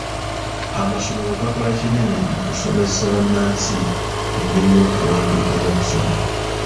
Amasomero gakola kinene mu kusomesa bannansi engeri y'okuwandiika n'okusoma.